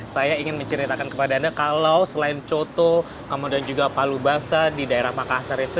saya ingin menceritakan kepada anda kalau selain coto kemudian juga palu basah di daerah makassar itu